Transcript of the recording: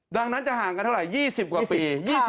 ดังนั้นจะห่างกันเท่าไหร่๒๐กว่าปี